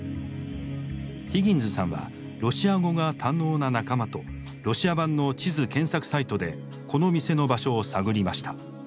ヒギンズさんはロシア語が堪能な仲間とロシア版の地図検索サイトでこの店の場所を探りました。